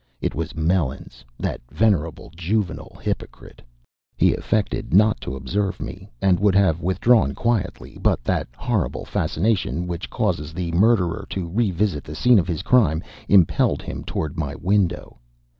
It was Melons, that venerable, juvenile hypocrite. He affected not to observe me, and would have withdrawn quietly, but that horrible fascination which causes the murderer to revisit the scene of his crime, impelled him toward my window.